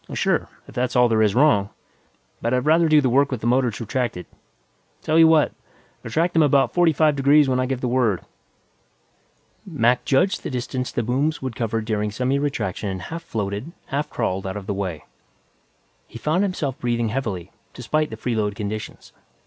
"Oh, sure, if that's all there is wrong. But I'd rather do the work with the motors retracted. Tell you what; retract them about forty five degrees when I give the word." Mac judged the distance the booms would cover during semiretraction and half floated, half crawled out of the way. He found himself breathing heavily, despite the freeload conditions.